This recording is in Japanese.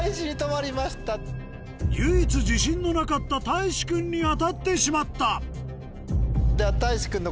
唯一自信のなかったたいし君に当たってしまったでは。